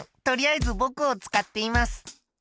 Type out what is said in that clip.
とりあえずぼくを使っています。